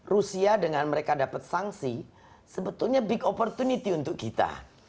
rusia dengan mereka dapat sanksi sebetulnya big opportunity untuk kita